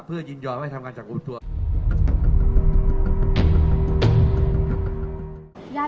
เพื่อยินย้อนไว้ทำกาลจังงลทัวร์